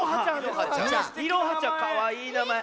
いろはちゃんかわいいなまえ。